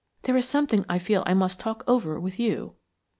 There is something I feel I must talk over with you."